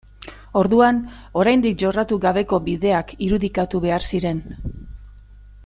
Orduan, oraindik jorratu gabeko bideak irudikatu behar ziren.